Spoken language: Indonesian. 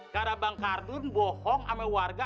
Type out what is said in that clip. karena bang ardun bohong sama warga